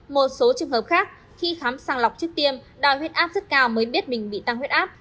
một số trường hợp khác khi khám sàng lọc trước tiên đòi huyết áp rất cao mới biết mình bị tăng huyết áp